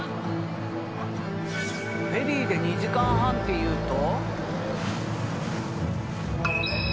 「フェリーで２時間半」っていうと？